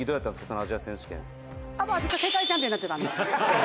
そのアジア選手権」「私は世界チャンピオンになってたんで」